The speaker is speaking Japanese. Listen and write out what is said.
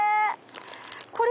これ。